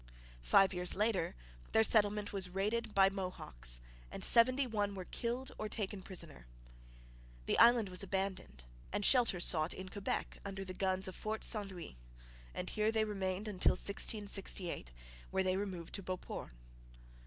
Five years later their settlement was raided by Mohawks and seventy one were killed or taken prisoner. The island was abandoned and shelter sought in Quebec under the guns of Fort St Louis, and here they remained until 1668, when they removed to Beauport.